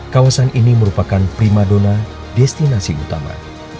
kawasan ini merupakan primadona destinasi utama